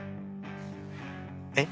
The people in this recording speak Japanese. えっ？